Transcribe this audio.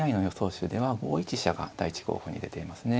手では５一飛車が第１候補に出ていますね。